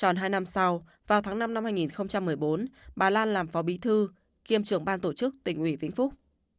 tròn hai năm sau vào tháng năm năm hai nghìn một mươi bốn bà lan làm phó bí thư kiêm trưởng ban tổ chức tỉnh ủy vĩnh phúc